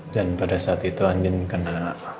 dan pada saat itu andin kena